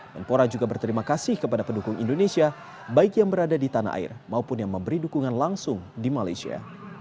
menpora juga berterima kasih kepada pendukung indonesia baik yang berada di tanah air maupun yang memberi dukungan langsung di malaysia